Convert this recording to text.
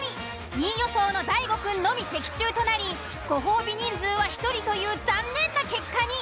２位予想の大悟くんのみ的中となりご褒美人数は１人という残念な結果に。